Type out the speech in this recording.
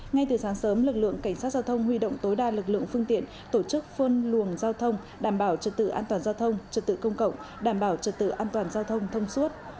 ngay từ sáng sớm lực lượng cảnh sát giao thông huy động tối đa lực lượng phương tiện tổ chức phân luồng giao thông đảm bảo trật tự an toàn giao thông trật tự công cộng đảm bảo trật tự an toàn giao thông thông suốt